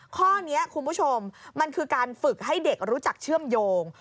ข้อนี้คุณผู้ชมมันคือการฝึกให้เด็กรู้จักเชื่อมโยง